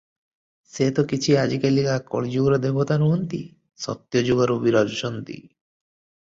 ସେ ତ କିଛି ଆଜିକାଲିକା କଳିଯୁଗର ଦେବତା ନୁହନ୍ତି ; ସତ୍ୟଯୁଗରୁ ବିରାଜୁଛନ୍ତି ।